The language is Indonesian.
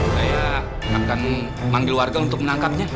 saya akan panggil warga untuk menangkapnya